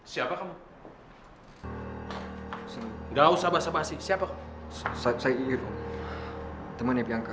saya iyer temannya bianca